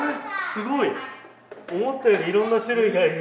すごい！思ったよりいろんな種類がいる。